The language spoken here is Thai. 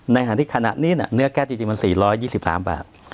ในขณะนี้เนื้อแก๊สจริงมัน๔๒๓บาท